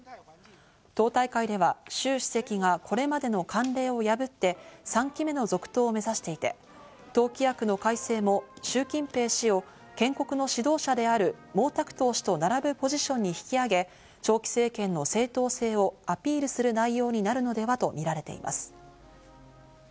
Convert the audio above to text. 党大会ではシュウ主席がこれまでの慣例を破って３期目の続投を目指していて、党規約の改正もシュウ・キンペイ氏を建国の指導者であるモウ・タクトウ氏と並ぶポジションに引き上げ、長期政権の正当性をアピールする内容になるのではとみられています。